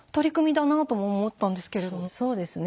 そうですね。